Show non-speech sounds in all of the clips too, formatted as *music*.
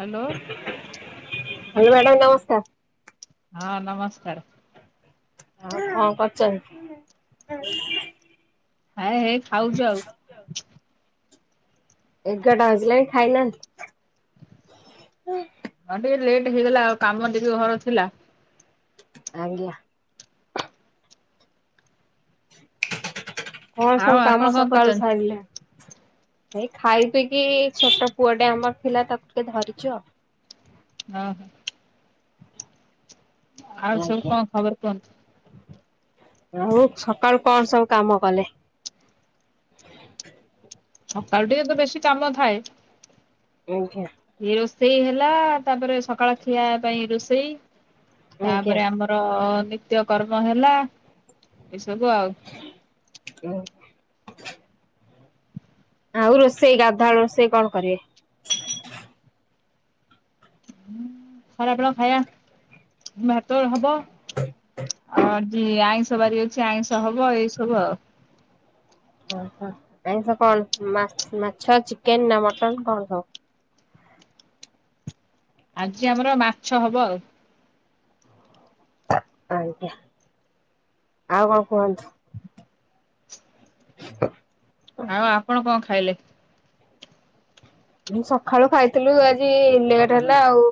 Hello. Hello madam ନମସ୍କାର୍। ହଁ ନମସ୍କାର୍। ହଁ କଣ କରୁଚନ୍ତି? ହାଏ ହେଇ ଖାଉଚୁ ଆଉ। ଏଗାରଟା ବାଜିଲାଇଁ ଖାଇନାହାନ୍ତି? ହଁ ଟିକେ ଲେଟ୍ ହେଇଗଲା ଆଉ କାମ ଟିକେ ଘର ଥିଲା। ଆଜ୍ଞା। କଣ ଆଉ ସବୁ ଆପଣ କାମ କଣ ସକାଳୁ କରୁଛନ୍ତି? ସାରିଲେ? ଏଇ ଖାଇ ପିଇକି ଛୋଟ ପୁଅଟେ ଆମର ଥିଲା ତାକୁ ଟିକେ ଧରିଚୁ ଆଉ। ଓହୋ। ଆଉ ସବୁ ଆଜ୍ଞା। କଣ ଖବର କୁହନ୍ତୁ। ଆଉ ସକାଳୁ କଣ ସବୁ କାମ କଲେ? ସକାଳୁ ଟିକେ ତ ବେଶୀ କାମ ଥାଏ। ଆଜ୍ଞା। ଏଇ ରୋଷେଇ ହେଲା ତାପରେ ସକାଳ ଖିଆ ପାଇଁ ରୋଷେଇ ଆଜ୍ଞା ତାପରେ ଆମ ର ନିତ୍ୟକର୍ମ ହେଲା ଏସବୁ ଆଉ। ହୁଁ। ଆଉ ରୋଷେଇ ଗାଧୁଆବେଳ ରୋଷେଇ କଣ କରିବେ? ଖରାବେଳ ଖାଇବା ଭାତ ହବ ଆଉ ଆଜି ଆଇଁଷ ବାରି ଅଛି ଆଇଁଷ ହବ ଏଇସବୁ ଆଉ। ଓହୋ ଆଇଁଷ କଣ ମା-ମାଛ, ଚିକେନ ନା ମଟନ୍ କଣ ସବୁ? ଆଜି ଆମର ମାଛ ହବ ଆଉ। ଆଜ୍ଞା ଆଉ କଣ କୁହନ୍ତୁ? ଆଉ ଆପଣ କଣ ଖାଇଲେ? ସକାଳୁ ଖାଇଥିଲୁ ଆଜି ଲେଟ୍ ହେଲା ଆଉ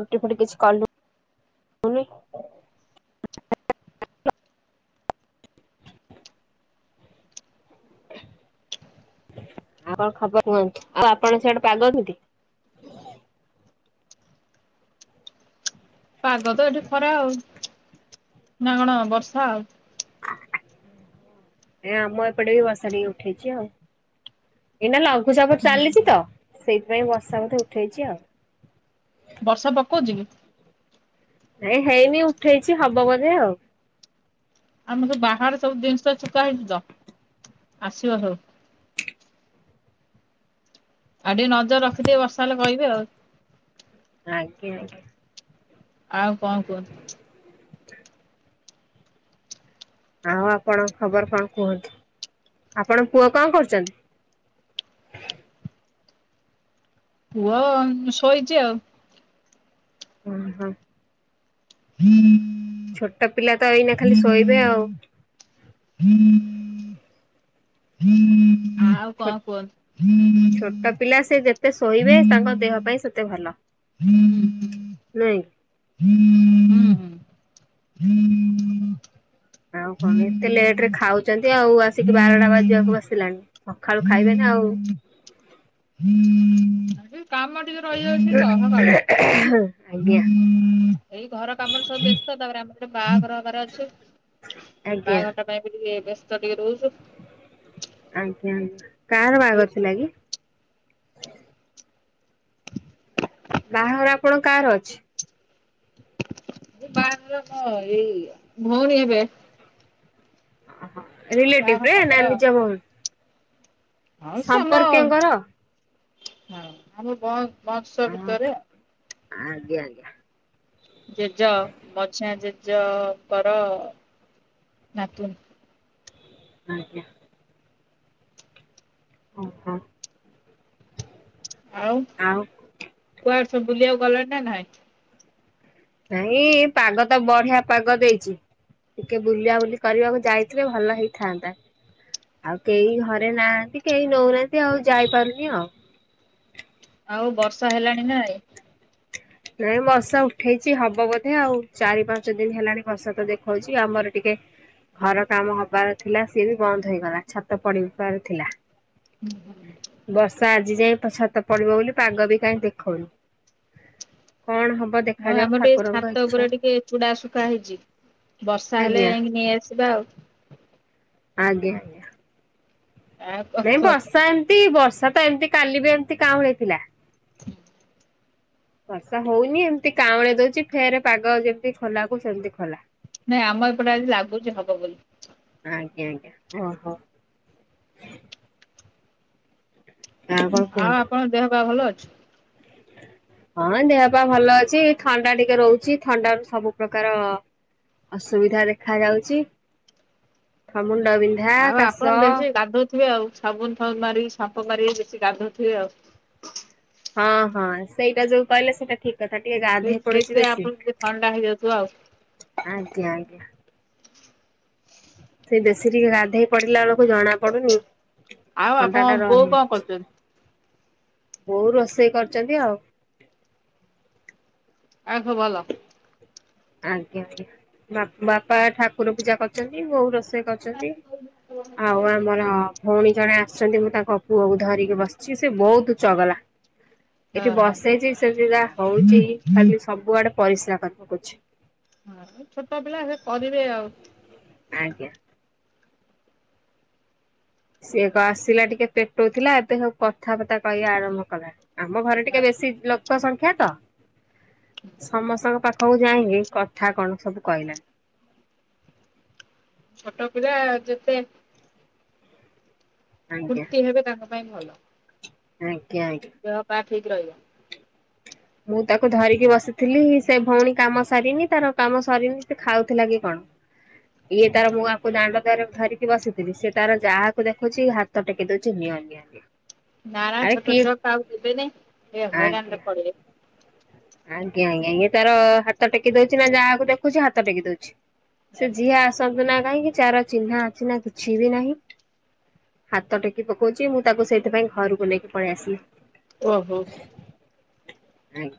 ରୁଟି ଫୁଟି କିଛି କଲୁ କଲୁନି। ଆଉ କଣ ଖବର କୁହନ୍ତୁ ଆଉ ଆପଣ ସେଆଡେ ପାଗ କେମିତି? ପାଗ ତ ଏଠି ଖରା ଆଉ ନା କଣ ବର୍ଷା ଆଉ। ଏ ଆମ ଏପଟେ ବି ବର୍ଷା ଟିକେ ଉଠେଇଛି ଆଉ, ଏଇନା ଲଘୁଚାପ ହୁଁ ଚାଲିଚି ତ। ସେଇଥିପାଇଁ ବର୍ଷା ବୋଧେ ଉଠେଇଛି ଆଉ। ବର୍ଷା ପକଉଛି କି? ନାଇଁ ହେଇନି ଉଠେଇଛି ହବ ବୋଧେ ଆଉ। ଆମର ବାହାରେ ସବୁ ଜିନିଷ ସୁକା ହେଇଛି ତ ଆସିବ ସବୁ। ଆଉ ଟିକେ ନଜର ରଖିଥିବେ ବର୍ଷା ହେଲେ କହିବେ ଆଉ। ଆଜ୍ଞା ଆଜ୍ଞା। ଆଉ କଣ କହନ୍ତୁ? ଆଉ ଆପଣ ଖବର କଣ କୁହନ୍ତୁ, ଆପଣଙ୍କ ପୁଅ କଣ କରୁଛନ୍ତି? ପୁଅ ଶୋଇଛି ଆଉ। ଅ ହଁ। *inaudible* ଛୋଟ ପିଲା ତ ଏଇନା ଖାଲି ଶୋଇବେ ଆଉ। *inaudible* *inaudible* କଣ କୁହନ୍ତୁ? ଛୋଟ-ଛୋଟ ପିଲା ସେ ଯେତେ ଶୋଇିବେ ତାଙ୍କ ଦେହ ପାଇଁ ସେତେ ଭଲ। *inaudible* ନାଇଁ *inaudible* ଆଉ କଣ ଏତେ ଲେଟରେ ଖାଉଛନ୍ତି ଆଉ ଆସିକି ବାରଟା ବାଜିବାକୁ ବସିଲାଣି। ସଖାଳୁ ଖାଇବେ ନା ଆଉ। *inaudible* ଏ କାମ ଟିକେ ରହିଯାଉଛି ତ ସକାଳୁ। ଆଜ୍ଞା ଏଇ ଘର କାମରେ ସବୁ ବ୍ୟସ୍ତ ତାପରେ ଆମର ଗୋଟେ ବାହାଘର ହବାର ଅଛି ଆଜ୍ଞା ବାହାଘରଟା ସେଥିପାଇଁ ଟିକେ ବ୍ୟସ୍ତ ଟିକେ ରହୁଛି। ଆଜ୍ଞା ଆଜ୍ଞା କାହାର ଏଇ ବାହାଘର ସବୁ ଥିଲା କି? ବାହାଘର ଆପଣ କାହାର ଅଛି? ବାହାଘର ମୋର ଏଇ ଭଉଣୀ ହେବେ। ଅ ହ ବାହାଘର ରିଲେଟିଭରେ ନା ତାଙ୍କର। ନିଜ ଭଉଣି? ହଁ ସେ ଆମ ସମ୍ପର୍କୀୟଙ୍କର? ହଁ ଆମ ବ ବଂଶ ଭିତରେ। ଆଜ୍ଞା ଆଜ୍ଞା ଜେଜ, ମଝିଆ ଜେଜଙ୍କର ନାତୁଣି ଆଜ୍ଞା ଅହଁ ଆଉ କୁଆଡେ ସବୁ ବୁଲିବାକୁ ଗଲଣି ନା ନାଇଁ? ନାଇଁ ଏ ପାଗତ ବଢିଆ ପାଗ ଦେଇଛି। ଟିକେ ବୁଲା ବୁଲି କରିବାକୁ ଯାଇଥିଲେ ଭଲ ହେଇଥାନ୍ତା। ଆଉ କେହି ଘରେ ନାହାନ୍ତି କେହି ନଉନାହାନ୍ତି ଆଉ ଯାଇପାରୁନି ଆଉ। ଆଉ ବର୍ଷା ହେଲାଣି ନା ନାଇଁ? ନାଇଁ ବର୍ଷା ଉଠେଇଛି ହବ ବୋଧେ ଆଉ ଚାରି ପାଞ୍ଚ ଦିନ ହେଲାଣି ବର୍ଷା ତ ଦେଖଉଛି ଆମର ଟିକେ ଘର କାମ ହବାର ଥିଲା ସିଏ ବି ବନ୍ଦ ହେଇଗଲା ଛାତ ପଡିବାର ଥିଲା। ହୁଁ ହୁଁ *inaudible* ବର୍ଷା ଆଜି ଯାଇଏ ଛାତ ପଡିବ ବୋଲି ପାଗ ବି କାହିଁ ଦେଖଉନି କଣ ହବ। ହଁ ଦେଖାଯାଉ ଆମର ଟିକେ ଠାକୁରଙ୍କ ଛାତ ଇଚ୍ଛା ଉପରେ ଟିକେ ଚୁଡା ଶୁଖା ହେଇଛି। ବର୍ଷା ହେଲେ ଆଜ୍ଞା ଯାଇକି ନେଇଆସିବା ଆଉ। ଆଜ୍ଞା। ଆଉ କଣ ନାଇଁ କୁହନ୍ତୁ? ବର୍ଷା ଏମତି ବର୍ଷା ତ ଏମିତି କାଲି ବି ଏମିତି କାଉଁ ହେଇଥିଲା। ହ *inaudible* ବର୍ଷା ହଉନି ଏମିତି କାଉଁଳି ଦଉଛି ଫେର ପାଗ ଯେମତି ଖୋଲାକୁ ସେମିତି ଖୋଲା। ନାଇଁ ଆମ ଏପଟେ ଆଜି ଲାଗୁଛି ହବ ବୋଲି। ଆଜ୍ଞା ଆଜ୍ଞା ଓହୋ। ଆଉ କଣ କୁହ *inaudible* ଆପଣଙ୍କ ଦେହ ପା ଭଲ ଅଛି? ହଁ ଦେହ ପା ଭଲ ଅଛି ଥଣ୍ଡା ଟିକେ ରହୁଛି ଥଣ୍ଡା ର ସବୁ ପ୍ରକାର। ଅସୁବିଧା ଦେଖ ଯାଉଛି ଫମୁଣ୍ଡ ବିନ୍ଧା କାଶ। ଥିବେ ଆଉ ସାବୁନ ଫନ ମାରିକି ସାମ୍ପ ମାରିକେ ବେଶି ଗାଧୁଥିବେ ଆଉ। ହଁ ହଁ ସେଇଟା ଯୋଉ କହିଲେ ସେଇଟା ଠିକ। କଥା ଟିକେ ଗାଧେଇ ପଡୁଛି ସେଇଥିପାଇଁ ବେଶୀ ଆପଣଙ୍କୁ ଟିକେ ଥଣ୍ଡା ହେଇଯାଉଥିବ ଆଉ। ଆଜ୍ଞା ଆଜ୍ଞା। ସେଇ ବେଶୀ ଟିକେ ଗାଧେଇ ପଡିଲା ବେଳକୁ ଜଣା ପଡୁନି ଆଉ ଥଣ୍ଡା ଆପଣଙ୍କ ଟା ବୋଉ କଣ ରହିଯାଉଛି। କରୁଛନ୍ତି? ବଉ ରୋଷେଇ କରିଛନ୍ତି ଆଉ। ଆଉ ଭଲ। ଆଜ୍ଞା ବାପା ଠାକୁର ପୂଜା କରିଛନ୍ତି ବଉ ରୋଷେଇ କରିଛନ୍ତି। ଆଉ ଆମର ଭଉଣୀ ଜଣେ ଆସିଛନ୍ତି ମୁଁ ତାଙ୍କ ପୁଅକୁ ଧରିକି ବସିଛି ସେ ବହୁତ ଚଗଲା। ହଁ ଏଠି ହଁ। ବସେଇଛି ସୋ ହଉଛିଁ ଖାଲି ସବୁଆଡେ ପରିସ୍ରା କରି ପକଉଛି। ହଁ ଛୋଟ ପିଲା ସେ କରିବେ ଆଉ। ଆଜ୍ଞା। ସିଏ ତ ଆସିଲା ଟିକେ ପେଟଉଥିଲା ଏବେ ସବୁ କଥାବାର୍ତ୍ତା କହିବା ଆରମ୍ଭ କଲା। ଆମ ଘରେ ଟିକେ ବେଶୀ ଲୋକ ସଂଖ୍ୟା ତ ସମସ୍ତଙ୍କ ପାଖ ହଉ ଯାଇଁକି କଥା କଣ ସବୁ କହିଲା। ଛୋଟ ପିଲା ଯେତେ ଆଜ୍ଞା ମୂର୍ତ୍ତି ହେବେ ତାଙ୍କ ପାଇଁ ଭଲ। ଆଜ୍ଞା ଆଜ୍ଞା। ଦେହ ପା ଠିକ ରହିବ। ମୁଁ ତାକୁ ଧରିକି ବସିଥିଲି ସେ ଭଉଣୀ କାମ ସାରିନି ତାର କାମ ସରିନି ସେ ଖାଉଥିଲା କି କଣ। ଇଏ ତାର ମୁଁ ଆକୁ ଦାଣ୍ଡ ତାର ଧ ବସିଥିଲି ସେ ତାର ଯାହାକୁ ଦେଖୁଛି ହାତ ଟେକି ଦଉଛି ନିଆଁ ନିଅ। ନା ନା ଆରେ ଛୋଟ କିଏ ଛକ ଆଉ ଦେବେନି ଏ ହଇରାଣ ରେ ଆଜ୍ଞା। ପଡିବ। ଆଜ୍ଞା ଆଜ୍ଞା ତାର ହାତ ଟେକି ଦଉଛି ନା ଯାହାକୁ ଦେଖୁଛି ହାତ ଟେକି ଦଉଛି ସିଏ ଯିଏ ଆସୁ। ସବୁ ନା କାହିଁକି ଚାର ଚିହ୍ନା ଅଛି ନା କିଛି ବି ନାହିଁ। ହାତ ଟେକି ପକଉଛି ମୁଁ ତାକୁ ସେଇଥିପାଇଁ ଘରକୁ ନେଇକି ପଳେଇ ଆସିଲି। ଓହୋ। ହୁଁ।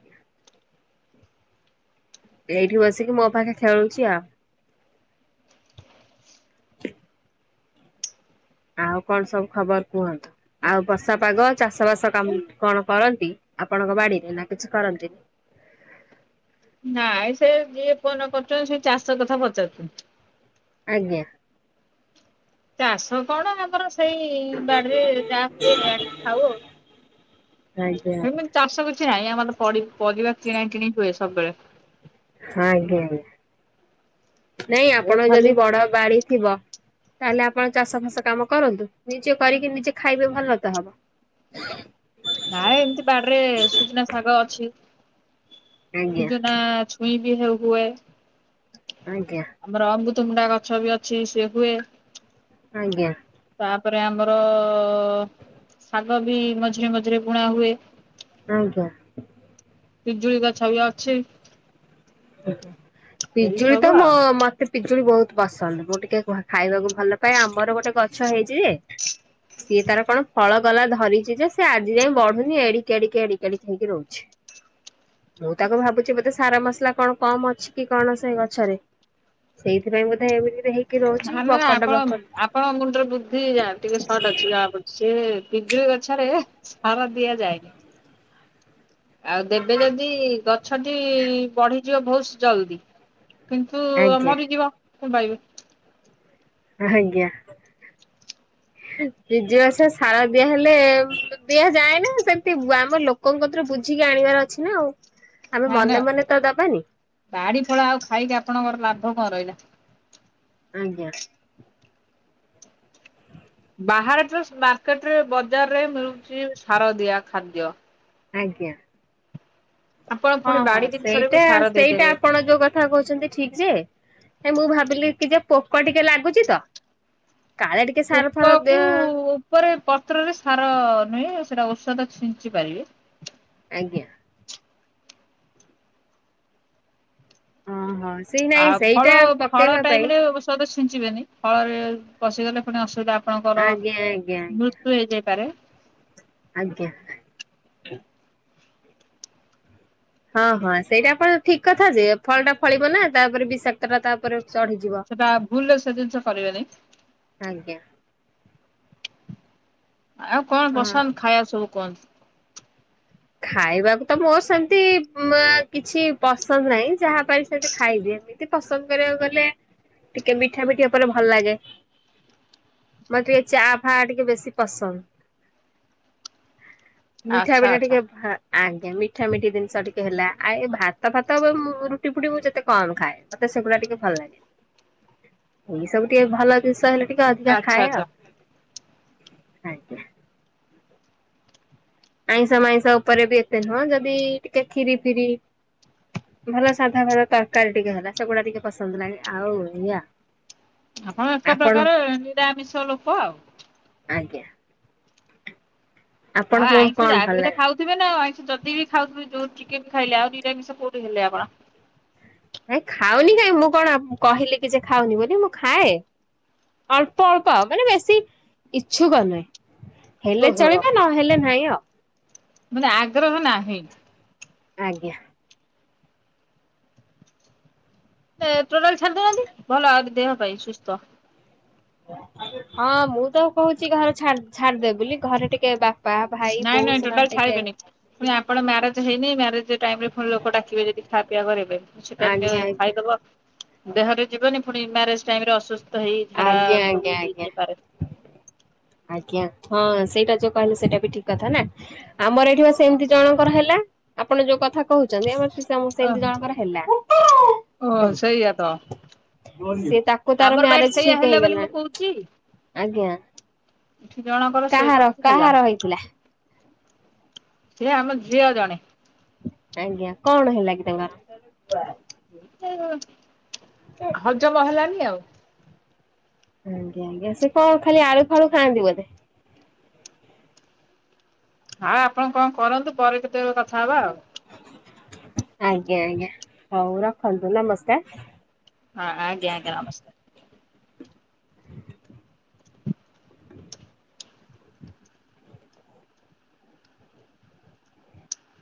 ଏଇଠି ବସିକି ମୋ ପାଖେ ଖେଳୁଛି ଆଉ। ଆଉ କଣ ସବୁ ଖବର କୁହନ୍ତୁ। ଆଉ ବର୍ଷା ପାଗ ଚାଷ ବାସ କାମ କଣ କରନ୍ତି ଆପଣଙ୍କ ବାଡିରେ ନା କିଛି କରନ୍ତିନି। ନାଇଁ ସେ ଯିଏ କନ କରୁଛନ୍ତି ସେ ଚାଷ କଥା ପଚାରୁଛନ୍ତି। ଆଜ୍ଞା। ଚାଷ କଣ ଆମର ସେଇ ବାଡିରେ ଯାହା ହୁଏ ଆ ଖାଉ ଆଉ ଆଜ୍ଞା ଆଜ୍ଞା ହେମି ଚାଷ କିଛି ନାହିଁ ଆମର ପରି-ପରିବା କିଣା କିଣିି ହୁଏ ସବୁବେଳେ ହଁ ଆଜ୍ଞା ଆଜ୍ଞା ନାଇଁ ଏ ଆପଣ ଖାଲି ଯଦି ବଡ ବାଡି ଥିବ ତାହେଲେ ଆପଣ ଚାଷ ଫସ କାମ କରନ୍ତୁ ନିଜେ କରିକି ନିଜେ ଖାଇବେ ଭଲ ତ ହବ। ହଁ ନାଇ ଏମିତି ବାଡରେ ସୁଜନା ଶାଗ ଅଛି ଆଜ୍ଞା ସୁଜନା କଇ ବି ହେ ହୁଏ। ଆଜ୍ଞା। ଆମର ଅମୃତମୁଣ୍ଡା ଗଛ ବି ଅଛି ସିଏ ହୁଏ। ଆଜ୍ଞା। ତାପରେ ଆମର ଶାଗ ବି ମଝିରେ ମଝିରେ ବୁଣା ହୁଏ। ଆଜ୍ଞା। ପିଜୁଳି ଗଛ ବି ଅଛି। ଏଇ ପିଜୁଳି ତ ସବୁ ମ ଆଉ ମତେ ପିଜୁଳି ବହୁତ ପସନ୍ଦ ମୁଁ ଟିକେ ଖାଇବାକୁ ଭଲ ପାଏ ଆମର ଗୋଟେ ଗଛ ହେଇଚି ଯେ ସିଏ ତାର କଣ ଫଳ ଗଲା ଧରିଛି ଯେ ସେ ଆଜି ଯାଇଁ ବଢୁନି ଏଡିକି ଏଡିକେ ଏଡିକଡ ହେଇକି ରହୁଛି। ମୁଁ ତାକୁ ଭାବୁଛି ବତେ ସାରା ମସଲା କଣ କମ ଅଛି କି କଣ ସେ ଗଛରେ ସେଇଥିପାଇଁ ବୋଧେ ଏମିତି ହେଇ କି ରହୁଛି ବକଟ ବକଟ କଣ ମୁଣ୍ଡରେ ବୁଦ୍ଧି ଯା ଟିକେ ସର୍ଟ ଅଛି ଗା ପ ସେ ପିଜୁଳି ଗଛରେ ସାର ଦିଆଯାଏ। ଆଉ ଦେବେ ଯଦି ଗଛଟି ବଢିଯିବ ବହୁତ ଜଲଦି କିନ୍ତୁ ଆଜ୍ଞା ମରି ଯିବ ମୁଁ ପାଇବି ଆଜ୍ଞା। ନିଜ ବାସ ସାର ଦିଆହେଲେ ଦିଆଯାଏ ନା ସେମିତି ଆମ ଲୋକ ଲୋକଙ୍କତରୁ ବୁଝିକି ଆଣିବାର ଅଛି ନା ଆଉ ଆମେ ନା ନା ମନେ ମନେ ତ ଦବାନି। ବାଡି ଫଳା ଆଉ ଖାଇକି ଆପଣଙ୍କର ଲାଭ କଣ ରହିଲା। ଆଜ୍ଞା। ବାହହାର ମାର୍କେଟରେ ବଜାରରେ ମିଳୁଛି ସାର ଦିଆ ଖାଦ୍ୟ। ଆଜ୍ଞା। ଆପଣ ହଁ ପୁଣି ହଁ ବାଡି ଜିନିଷରେ ବି ସେଇଟା ସାର ସେଇଟା ଦେଇଦେବେ। ଆପଣ ଯୋଉ କଥା କଥା କହୁଛନ୍ତି ଠିକ ଯେ ମୁଁ ଭାବିଲି କି ଯେ ପୋକ ଟିକେ ଲାଗୁଛି ତ। କାଳେ ଟି ପୋକ କୁ ଉପରେ ପତ୍ରରେ ସାର ନୁହେଁ ସେଟା ଔଷଧ ଛିଞ୍ଚି ପାରିବେ। ଆଜ୍ଞା। ଓହୋ ସେଇ ନାଇଁ ସେଇଟା ପକେଇବା ପାଇଁ। ଔ ଛିଞ୍ଚିବେନି ଫଳରେ ପଶିଗଲେ ପୁଣି ଅସୁବିଧା ଆଜ୍ଞା ଆଜ୍ଞା ଆଜ୍ଞା। ଆପଣଙ୍କରୃତ ହେଇଯାଇପାରେ। ଆଜ୍ଞା। ହଁ ହଁ ସେଇଟା ଆପଣ ଠିକ କଥା ଯେ ଫଳ ଟା ଫଳିବ ନା ତାପରେ ବିଷାକ୍ତ ଟା ତାପରେ ଚଢିଯିବ। ସେଟା ଭୁଲ ସେ ଜିନିଷ କରିବେନି। ଆଜ୍ଞା। ଆଉ କଣ ହଁ ପସନ୍ଦ ଖାଇବା ସବୁ କୁହନ୍ତୁ? ଖାଇବାକୁ ତ ମୋର ସେମିତି ମା କିଛି ପସନ୍ଦ ନାହିଁ, ଯାହାପାରେ ସେମିତି ଖାଇଦିଅନ୍ତିି। ଏତ ପସନ୍ଦ କରିବାକୁ ଗଲେ ଟିକେ ମିଠା ମିଠି ଉପରେ ଭଲ ଲାଗେ। ମତେ ଟିକେ ଚା ଫା ଟିକେ ବେଶୀ ପସନ୍ଦ। ମିଠା ଆଚ୍ଛା ପିଠା ଆଚ୍ଛା ଟିକେ ହଁ ଆଜ୍ଞା ମିଠା ମିଠି ଜିନିଷ ଟିକେ ହେଲା, ଆ ଏ ଭାତ ଫାତବେ ରୁଟି ଫୁଟି ମୁଁ ଯେତେ କମ ଖାଏ। ମତେ ସେଗୁଡା ଟିକେ ଭଲ ଲାଗେ। ଏଇ ସବୁ ଟିକେ ଭଲ ଜିନିଷ ହେଲେ ଟିକେ ଅଧିକା ଆଚ୍ଛା ଖାଏ ଆଉ ଆଚ୍ଛା ଆଜ୍ଞା। ଆଇଁଷ ମାଇଁସ ଉପରେ ବି ଏତେ ନୁହଁ, ଯଦି ଟିକେ ଖିରି ଫିରି ଭଲ ସାଧା ଭଲ ତରକାରୀ ଟିକେ ହେଲା ସେଗୁଡା ଟିକେ ପସନ୍ଦ ଲାଗେ, ଆଉ ଆଜ୍ ଆପଣ ଏକ ପ୍ରକାରେ ନିରାମିଷ ଲୋକ ଆଉ। ଆଜ୍ଞା। ହଁ ଆପଣଙ୍କୁ ଆଇଁଷ କଣ ଯାହା ଭଲ ବି ହେଲେ ଲାଗେ? ଖାଉ ଥେ ନା ଆଇଷ ଯଦି ବି ଖାଉଥିବେ ଯୋଉ ଟିକେ ବି ଖାଇଲେ ଆଉ ନିରାମିଷ କୋଉଠି ହେଲେ ଆପଣ? ନାଇଁ ଖାଉନି କାଇଁ, ମୁଁ କଣ କହିଲି କି ଯେ ଖାଉନି ବୋଲି ମୁଁ ଖାଏ ଅଳ୍ପ ଅଳ୍ପ ମାନେ ବେଶୀ ଇଚ୍ଛୁକ ନୁହେଁ। ହେଲେ ଓହୋ ଚଳିବ ନହେଲେ ନାହିଁ ଆଉ। ମାନେ ଆଗ୍ରହ ନାହିଁ। ଆଜ୍ଞା। ଟୋଟାଲ ଛାଡି ଦଉନାହାନ୍ତି ଭଲ ଆଉ ଦେହ ପାଇଁ ସୁସ୍ଥ ହଁ ମୁଁ ତ କହୁଛି ଘର ଛା ଛାଡିଦେବ ବୋଲି ଘରେ ଟିକେ ବା ନାଇଁ ନାଇଁ ଟୋଟାଲ ଛାଡ଼ିବେନି। ପୁଣି ଆପଣ ମ୍ୟାରେଜ ହେଇନି ମ୍ୟାରେଜ ଟାଇମ ରେ ପୁଣି ଲୋକ ଡାକିବେ ଯଦି ଖାଇବା ପିଇବା କରିବେ କିଛି ଟାଇମରେ ଆଜ୍ଞା ଖାଇଦବ ଦେହରେ ଯିବନି ପୁଣି ମ୍ୟାରେଜ ଟାଇମ ରେ ଅସୁସ୍ଥ ହେଇ ଝାଡା ଆଜ୍ଞା ଆଜ୍ଞା ସବୁ ଆଜ୍ଞା। ହେଇଯାଇପାରେ। ଆଜ୍ଞା, ହଁ ସେଇଟା ଯୋଉ କହିଲେ ସେଇଟା ବି ଠିକ କଥା ନା ଆମର ଏଠି ସେମିତି ଜଣଙ୍କର ହେଲା ଆପଣ ଯୋଉ କଥା କହୁଛନ୍ତି। ଆମ ମୁଁ ଓ ସେମିତି ଜଣଙ୍କର ହେଲା ମୁଁ ଓ ସେଇଆ ତ। ସେ ତାକୁ ତାର ଆମର ବାଇଟ ମ୍ୟାରେଜ ସେଇଆ ଠିକ ହେଲା ବୋଲି ମୁଁ ହେଇଗଲାଣି, କହୁଛି ଆଜ୍ଞା। ଜଣ କ କାହାର କାହାର ହେଇଥିଲା? ସିଏ ଆମେ ଝିଅ ଜଣେ। ଆଜ୍ଞା କଣ ହେଲା କି ତାଙ୍କର? ହଜମ ହେଲାନି ଆଉ। ଆଜ୍ଞା ଆଜ୍ଞା ସେ କଣ ଖାଲି ଆଳୁ ଫାଳୁ ଖାଆନ୍ତି ବୋଧେ? ହଁ ଆପଣ କଣ କରନ୍ତୁ ପରେ କେତେବେଳେ କଥା ହବା ଆଉ। ଆଜ୍ଞା ଆଜ୍ଞା ହଉ ରଖନ୍ତୁ, ନମସ୍କାର। ହଁ ଆଜ୍ଞା ଆଜ୍ଞା ନମସ୍କାର।